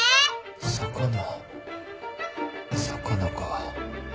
魚魚か。